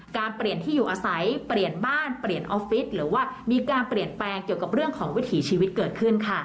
เปลี่ยนที่อยู่อาศัยเปลี่ยนบ้านเปลี่ยนออฟฟิศหรือว่ามีการเปลี่ยนแปลงเกี่ยวกับเรื่องของวิถีชีวิตเกิดขึ้นค่ะ